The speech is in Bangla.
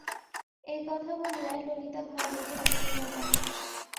এই কথা বলিয়াই ললিতা ঘর হইতে বাহির হইয়া গেল।